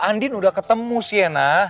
andin udah ketemu siena